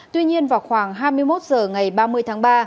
tuy nhiên vào khoảng hai mươi một h ngày ba mươi tháng ba